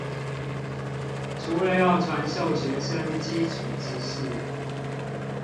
除了要傳授學生基礎知識